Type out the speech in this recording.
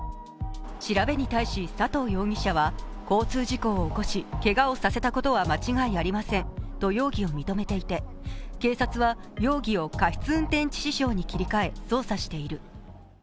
調べに対し佐藤容疑者は、交通事故を起こし、けがをさせたことは間違いありませんと容疑を認めていて警察は容疑を過失運転致死傷に切り替え捜査している。